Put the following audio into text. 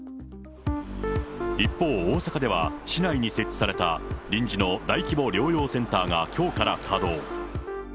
一方、大阪では市内に設置された臨時の大規模療養センターがきょうから稼働。